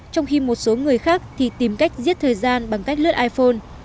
trong khi một số người khác thì tìm cách giết thời gian bằng cách lướt iphone